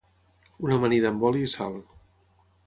Una amanida amb oli i sal